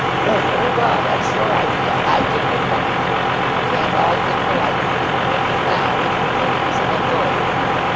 "Very well. That's your idea. I differ from you. People can't all think alike, you know. Now, if you please, I'll go."